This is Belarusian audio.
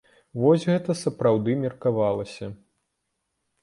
Вось гэта сапраўды меркавалася.